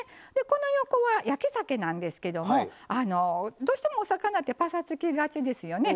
この横は焼きざけなんですけどもどうしてもお魚ってぱさつきがちですよね。